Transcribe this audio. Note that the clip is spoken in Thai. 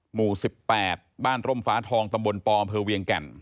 หมู่๑๘บ้านร่มฟ้าทองตำบลปอำเภอเวียงแก่น